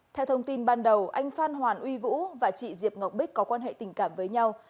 theo thông tin ban đầu anh phan hoàn uy vũ và chị diệp ngọc bích có quan hệ tình cảm với nhau